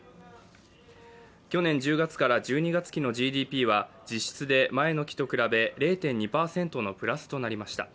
去年１０月から１２月期のＧＤＰは実質で前の期と比べ０．２％のプラスとなりました。